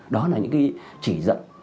đó là những chỉ dẫn